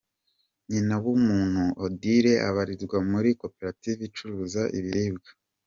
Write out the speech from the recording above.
Nyinawumuntu Odille abarizwa muri koperative icuruza ibiribwa.